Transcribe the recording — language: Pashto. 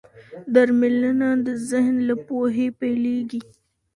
درملنه د ذهن له پوهې پيلېږي.